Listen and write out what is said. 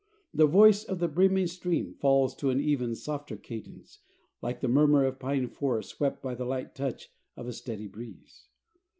The voice of the brimming stream falls to an even, softer cadence, like the murmur of pine forests swept by the light touch of a steady breeze.